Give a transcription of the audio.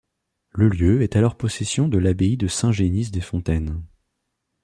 Le lieu est alors possession de l'abbaye de Saint-Génis-des-Fontaines.